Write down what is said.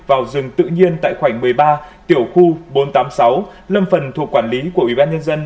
vào rừng tự nhiên tại khoảnh một mươi ba tiểu khu bốn trăm tám mươi sáu lâm phần thuộc quản lý của ủy ban nhân dân